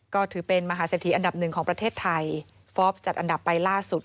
ก็ถือเป็นมหาเศรษฐีอันดับหนึ่งของประเทศไทยฟอล์ฟจัดอันดับไปล่าสุด